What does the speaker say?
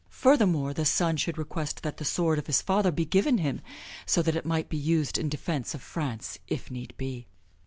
Furthermore, the son should request that the sword of his father be given him so that it might be used in defense of France if need be.